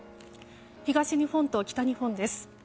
東日本と北日本です。